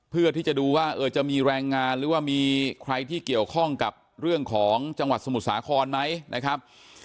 เพื่อที่จะดูว่าจะมีแรงงานหรือว่ามีใครที่เกี่ยวข้องกับเรื่องของจังหวัดสมุทรสาครไหมนะครับ